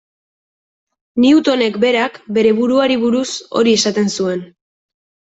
Newtonek berak bere buruari buruz hori esaten zuen.